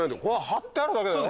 貼ってあるだけだよ。